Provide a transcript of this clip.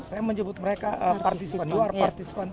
saya menyebut mereka participant